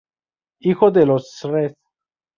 Hijo de los Sres.